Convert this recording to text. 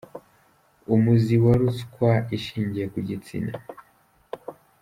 Umuzi wa ruswa ishingiye ku gitsina….